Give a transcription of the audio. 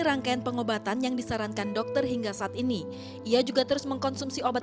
rangkaian pengobatan yang disarankan dokter hingga saat ini ia juga terus mengkonsumsi obat